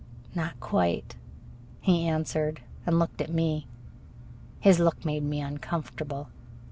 "Not quite," he answered, and looked at me. His look made me uncomfortable.